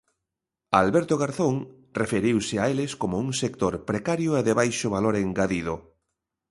Alberto Garzón referiuse a eles como un sector precario e de baixo valor engadido.